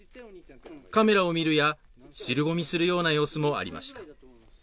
カメラを見るや、尻込みするような様子もありました。